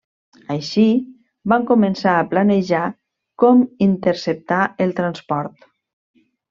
Així, van començar a planejar com interceptar el transport.